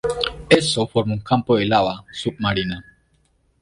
Esto formó un campo de lava submarina.